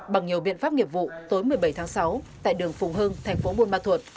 bằng nhiều biện pháp nghiệp vụ tối một mươi bảy tháng sáu tại đường phùng hưng thành phố buôn ma thuột